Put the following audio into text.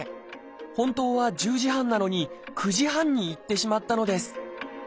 本当は１０時半なのに９時半に行ってしまったのです